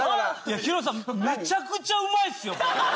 ヒロミさん、めちゃくちゃうまいっすよ。